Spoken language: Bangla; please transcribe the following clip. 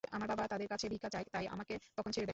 আমার বাবা তাদের কাছে ভিক্ষা চায়, তাই আমাকে তখন ছেড়ে দেয়।